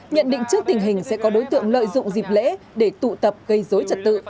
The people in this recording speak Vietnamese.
nhận định trước tình hình sẽ có đối tượng lợi dụng dịp lễ để tụ tập gây dối trật tự